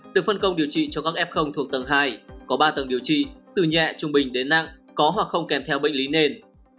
được phân công điều trị cho các f thuộc tầng hai có ba tầng điều trị từ nhẹ trung bình đến nặng có hoặc không kèm theo bệnh lý nền